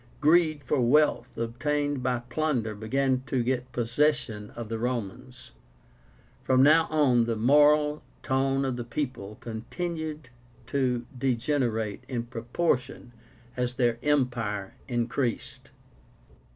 Greed for wealth obtained by plunder began to get possession of the Romans. From now on the moral tone of the people continued to degenerate in proportion as their empire increased.